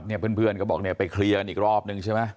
เพื่อนก็บอกเนี่ยไปเคลียร์กันอีกรอบนึงใช่ไหม